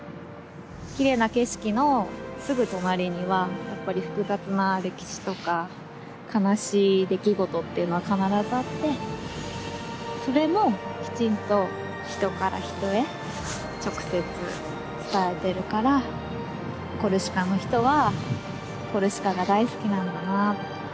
きれいな景色のすぐ隣にはやっぱり複雑な歴史とか悲しい出来事っていうのは必ずあってそれもきちんと人から人へ直接伝えてるからコルシカの人はコルシカが大好きなんだなって。